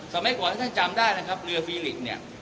สมัยก่อนถ้าเจอจำได้เรือฟรีลึก